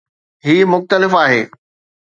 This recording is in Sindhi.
هي مختلف آهي